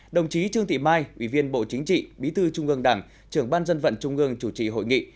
đồng chí trương thị mai ủy viên bộ chính trị bí thư trung ương đảng trưởng ban dân vận trung ương chủ trì hội nghị